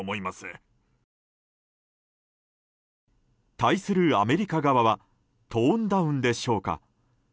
対するアメリカ側はトーンダウンでしょうか。